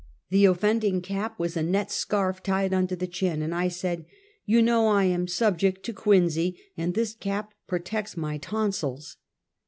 The offending cap was a net scarf tied under the chin, and I said, "You know I am subject to quinsy, and this cap protects my tonsils."